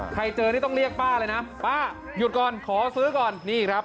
เจอนี่ต้องเรียกป้าเลยนะป้าหยุดก่อนขอซื้อก่อนนี่ครับ